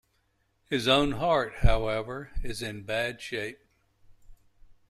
His own heart, however, is in bad shape.